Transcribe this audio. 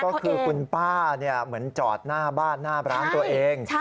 ก็คือคุณป้าเหมือนจอดหน้าบ้านหน้าร้านตัวเอง